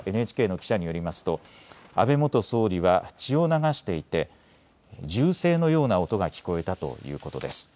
ＮＨＫの記者によりますと安倍元総理は血を流していて銃声のような音が聞こえたということです。